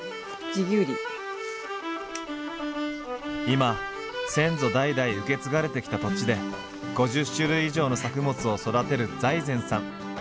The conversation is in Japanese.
今先祖代々受け継がれてきた土地で５０種類以上の作物を育てる財前さん。